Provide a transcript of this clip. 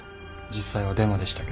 実際はデマでしたけど。